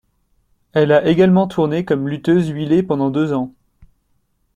Elle a également tourné comme lutteuse huilée pendant deux ans.